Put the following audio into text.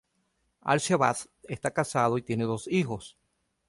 Al-Shehbaz está casado y tiene dos hijos.